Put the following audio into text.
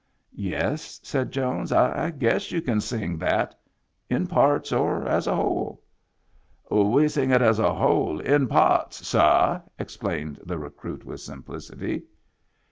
" Yes," said Jones, " I guess you can sing that — in parts or as a whole." " We sing it as a whole in parts, sah," explained the recruit with simplicity.